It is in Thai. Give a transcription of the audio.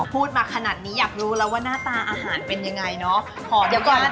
พูดมาขนาดนี้อยากรู้แล้วว่าหน้าตาอาหารเป็นยังไงเนาะ